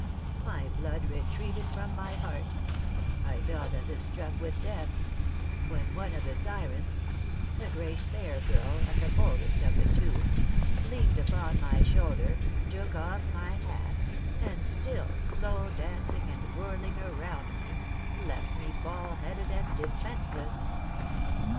My blood retreated from my heart, I felt as if struck with death; when one of the sirens a great, fair girl, and the boldest of the two leaned upon my shoulder, took off my hat, and, still slowly dancing and whirling around me, left me bald headed and defenceless.